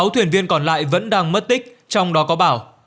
sáu thuyền viên còn lại vẫn đang mất tích trong đó có bảo